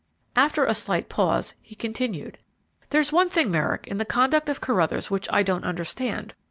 After a slight pause, he continued. "There's one thing, Merrick, in the conduct of Carruthers which I don't understand.